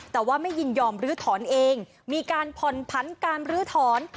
แต่ว่าไม่ยินยอมลื้อถอนเองมีการผ่อนผันการลื้อถอน